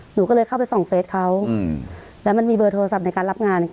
หนูก็เลยเข้าไปส่องเฟสเขาอืมแล้วมันมีเบอร์โทรศัพท์ในการรับงาน